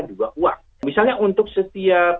juga uang misalnya untuk setiap